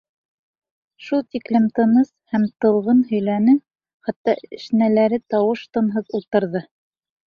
Шул тиклем тыныс һәм талғын һөйләне, хатта әшнәләре тауыш-тынһыҙ ултырҙы.